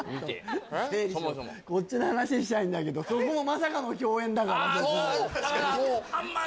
整理しようこっちの話したいんだけどそこもまさかの共演だからさあんま